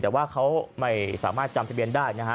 แต่ว่าเขาไม่สามารถจำทะเบียนได้นะฮะ